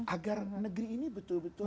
agar negeri ini betul betul